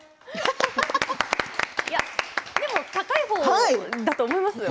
でも、高いほうだと思いますよ。